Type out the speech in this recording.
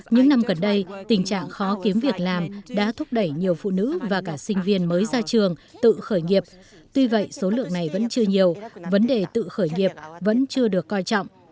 những năm gần đây tình trạng khó kiếm việc làm đã thúc đẩy nhiều phụ nữ và cả sinh viên mới ra trường tự khởi nghiệp tuy vậy số lượng này vẫn chưa nhiều vấn đề tự khởi nghiệp vẫn chưa được coi trọng